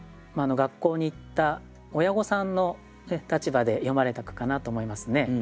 学校に行った親御さんの立場で詠まれた句かなと思いますね。